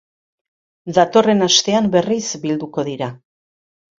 Datorren astean berriz bilduko dira.